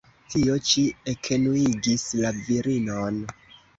Tio ĉi ekenuigis la virinon.